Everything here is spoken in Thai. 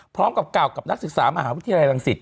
พร้อมกับกล่าวกับนักศึกษามหาวิทยาลัยรังสิต